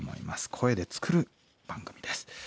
声で作る番組です。